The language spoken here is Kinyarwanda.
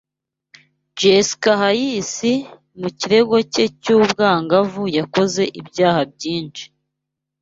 Jessica Hayes, mu kigero cye cy’ubwangavu yakoze ibyaha byinshi